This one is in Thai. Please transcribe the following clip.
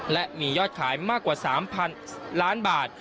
และมียอดขายมากกว่า๓๐๐๐ล้านบาท